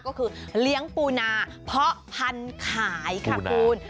ก็คือเลี้ยงปูนาเพาะพันธุ์ขายค่ะคุณ